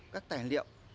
các tài liệu